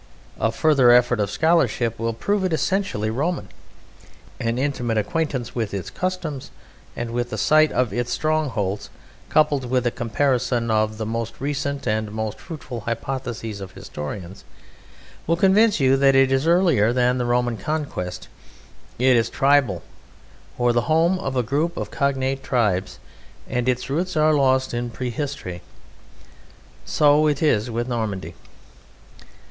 A further effort of scholarship will prove it essentially Roman. An intimate acquaintance with its customs and with the site of its strongholds, coupled with a comparison of the most recent and most fruitful hypotheses of historians, will convince you that it is earlier than the Roman conquest; it is tribal, or the home of a group of cognate tribes, and its roots are lost in prehistory. So it is with Normandy.